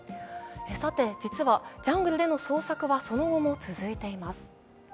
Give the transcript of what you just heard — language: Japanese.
実はジャングルでの捜索はその後も続いています。